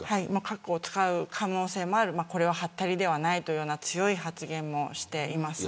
核を使う可能性もあるこれは、はったりではないという強い発言もしています。